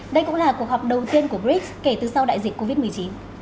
đây cũng là cuộc họp đầu tiên của brics kể từ sau đại dịch covid một mươi chín